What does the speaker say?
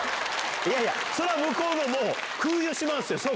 いやいや、それはもう、向こうでも空輸しますよ、即。